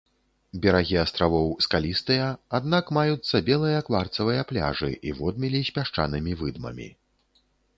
Берагі астравоў скалістыя, аднак маюцца белыя кварцавыя пляжы і водмелі з пясчанымі выдмамі.